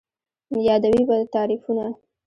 یادوې به تعريفونه